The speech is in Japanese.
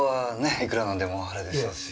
いくら何でもあれでしょうし。